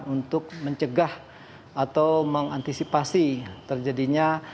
untuk mencegah atau mengantisipasi terjadinya